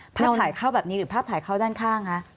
ภาพถ่ายเข้าแบบนี้หรือภาพถ่ายเข้าด้านข้างคะ